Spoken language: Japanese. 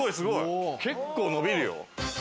結構、伸びるよ。